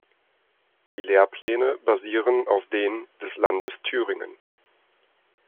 Die Lehrpläne basieren auf denen des Landes Thüringen.